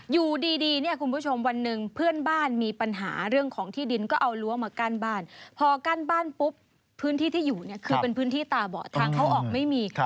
อยู่ดีเนี่ยคุณผู้ชมวันหนึ่งเพื่อนบ้านมีปัญหาเรื่องของที่ดินก็เอารั้วมากั้นบ้านพอกั้นบ้านปุ๊บพื้นที่ที่อยู่เนี่ยคือเป็นพื้นที่ตาเบาะทางเข้าออกไม่มี